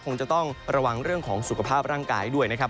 คงจะต้องระวังเรื่องของสุขภาพร่างกายด้วยนะครับ